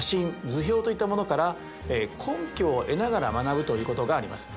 図表といったものから根拠を得ながら学ぶということがあります。